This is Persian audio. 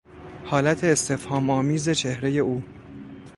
حالت استفهام آمیز چهرهی او